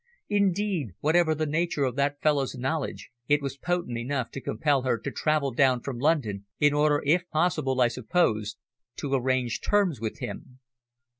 Indeed, whatever the nature of that fellow's knowledge, it was potent enough to compel her to travel down from London in order, if possible, I supposed, to arrange terms with him.